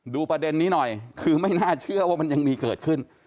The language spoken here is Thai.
ประเด็นนี้หน่อยคือไม่น่าเชื่อว่ามันยังมีเกิดขึ้น